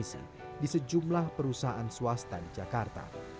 dan juga sebagai teknologi teknisi di sejumlah perusahaan swasta di jakarta